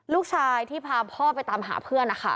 ลูกชายที่พาพ่อไปตามหาเพื่อนนะคะ